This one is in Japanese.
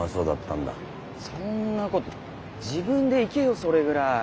そんなこと自分で行けよそれぐらい。